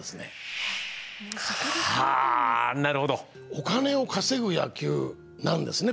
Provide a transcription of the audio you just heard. お金を稼ぐ野球なんですね